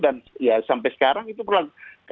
dan ya sampai sekarang itu berlangsung